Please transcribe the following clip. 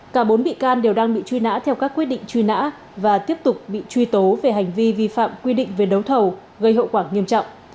cả bốn bị can đều đang bị truy nã theo các quyết định truy nã và tiếp tục bị truy tố về hành vi vi phạm quy định về đấu thầu gây hậu quả nghiêm trọng